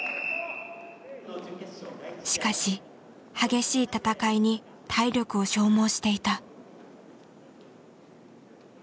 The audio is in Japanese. しかし激しい戦いに体力を消耗していた。